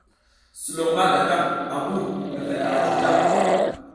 Sulon ma ga taƞ ambu mevel ara juw ta.